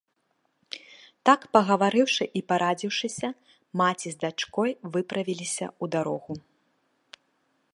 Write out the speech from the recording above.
Так пагаварыўшы і парадзіўшыся, маці з дачкой выправіліся ў дарогу.